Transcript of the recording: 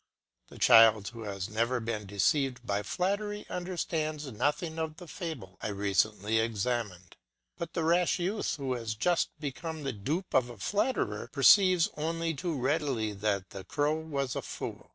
The child who has never been deceived by flattery understands nothing of the fable I recently examined; but the rash youth who has just become the dupe of a flatterer perceives only too readily that the crow was a fool.